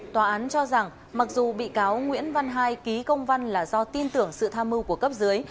tòa án cho rằng mặc dù bị cáo nguyễn văn hai ký công văn là do tin tưởng sự tham mưu của cấp dưới